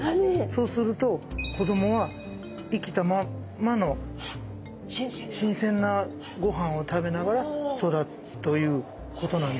そうすると子どもは生きたままの新鮮なごはんを食べながら育つということなんですよ。